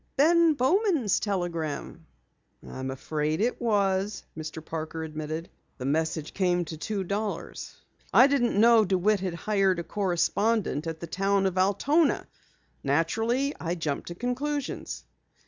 "Ben Bowman's telegram?" "I'm afraid it was," Mr. Parker admitted. "The message came to two dollars. I didn't know DeWitt had hired a correspondent at the town of Altona. Naturally I jumped to conclusions."